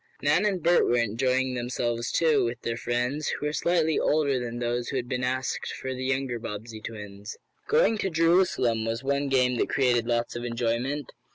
Nan and Bert were enjoying themselves, too, with their friends, who were slightly older than those who had been asked for the younger Bobbsey twins. "Going to Jerusalem," was one game that created lots of enjoyment.